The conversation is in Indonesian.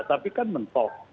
tapi kan mentok